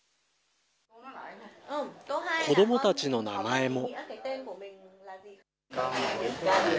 子どもたちの名前も。